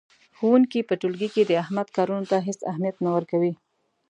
ښوونکی په ټولګي کې د احمد کارونو ته هېڅ اهمیت نه ورکوي.